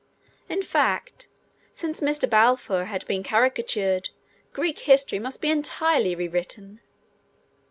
In fact, since Mr. Balfour has been caricatured, Greek history must be entirely rewritten!